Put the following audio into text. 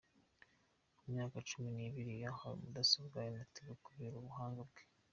Ku myaka cumi nibiri yahawe mudasobwa na Tigo kubera ubuhanga bwe